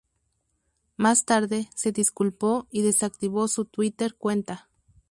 Más tarde se disculpó y desactivó su Twitter cuenta.